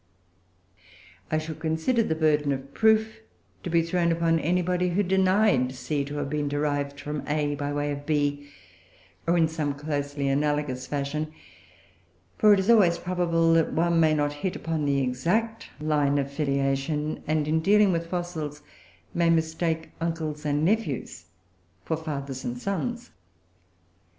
I should consider the burden of proof to be thrown upon any one who denied C to have been derived from A by way of B, or in some closely analogous fashion; for it is always probable that one may not hit upon the exact line of filiation, and, in dealing with fossils, may mistake uncles and nephews for fathers and sons.